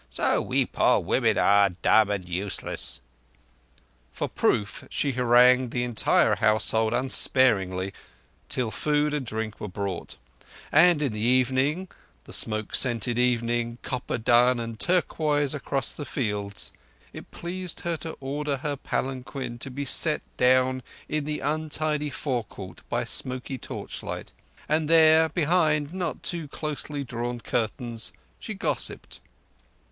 So we poor women are dumb and useless." For proof, she harangued the entire household unsparingly till food and drink were brought; and in the evening—the smoke scented evening, copper dun and turquoise across the fields—it pleased her to order her palanquin to be set down in the untidy forecourt by smoky torchlight; and there, behind not too closely drawn curtains, she gossiped.